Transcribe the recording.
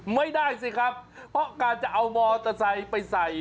ไม่ได้สิครับเพราะการจะเอามอเตอร์ไซค์ไปใส่